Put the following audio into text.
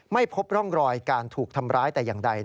ไม่พบร่องรอยการถูกทำร้ายแต่อย่างใด